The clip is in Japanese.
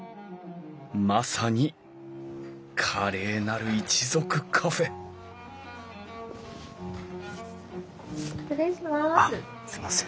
まさに「華麗なる一族カフェ」失礼します。